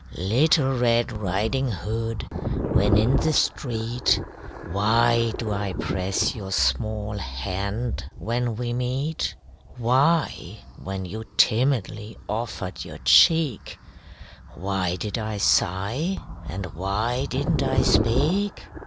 Little Red Riding Hood, when in the street, Why do I press your small hand when we meet? Why, when you timidly offered your cheek, Why did I sigh, and why didn't I speak?